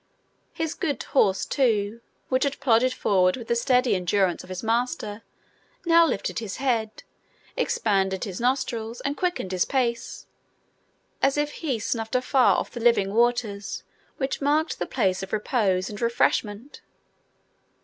His good horse, too, which had plodded forward with the steady endurance of his master, now lifted his head, expanded his nostrils, and quickened his pace, as if he snuffed afar off the living waters which marked the place of repose and refreshment.